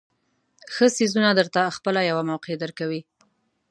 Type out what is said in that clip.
ښه څیزونه درته خپله یوه موقع درکوي.